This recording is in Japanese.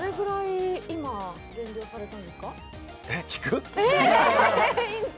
どれぐらい今、減量されたんですか？